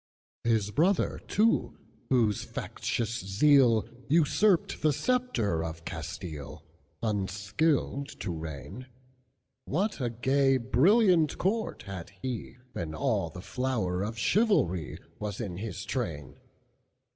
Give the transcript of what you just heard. His brother, too, whose factious zealUsurped the sceptre of Castile, Unskilled to reign; What a gay, brilliant court had he, When all the flower of chivalryWas in his train!